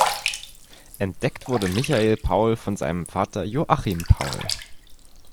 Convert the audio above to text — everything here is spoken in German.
Entdeckt wurde Michael Paul von seinem Vater Joachim Paul.